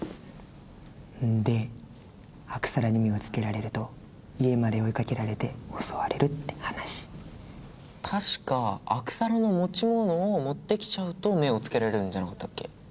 ・んでアクサラに目をつけられると家まで追いかけられて襲われるって話たしかアクサラの持ち物を持ってきちゃうと目をつけられるんじゃなかったっけ？